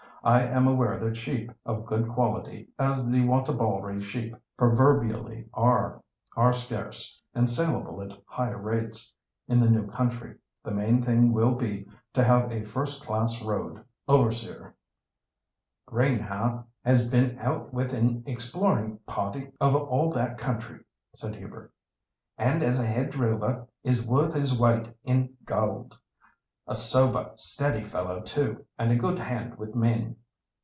"I am aware that sheep of good quality, as the Wantabalree sheep proverbially are, are scarce, and saleable at high rates, in the new country. The main thing will be to have a first class road overseer." "Greenhaugh has been out with an exploring party over all that country," said Hubert; "and as a head drover is worth his weight in gold. A sober, steady fellow, too, and a good hand with men.